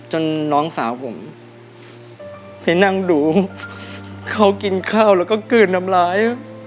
น้องสาวผมไปนั่งดูเขากินข้าวแล้วก็กลืนน้ำร้าย